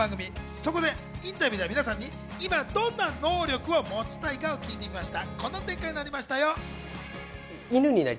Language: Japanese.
そこでインタビューでは皆さんにどんな能力を持ちたいかを聞いてみました。